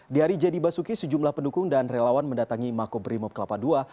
di hari jadi basuki sejumlah pendukung dan relawan mendatangi makobrimob kelapa ii